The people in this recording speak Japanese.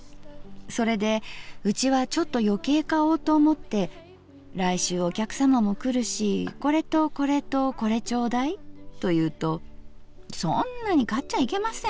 それでうちはちょっと余計買おうと思って『来週お客さまも来るしこれとこれとこれちょうだい』と言うと『そんなに買っちゃいけません。